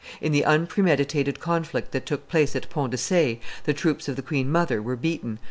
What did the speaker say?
In the unpremeditated conflict that took place at Ponts de Ce, the troops of the queen mother were beaten.